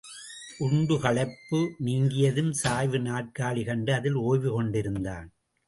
உண்டு களைப்பு நீங்கியதும் சாய்வு நாற்காலி கண்டு அதில் ஒய்வு கொண்டிருந்தான்.